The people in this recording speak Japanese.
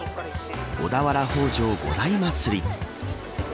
小田原北條五代祭り。